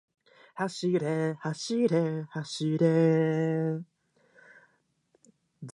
福岡に行きたい。